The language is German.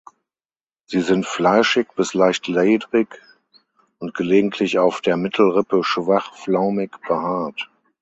Sie sind fleischig bis leicht ledrig und gelegentlich auf der Mittelrippe schwach flaumig behaart.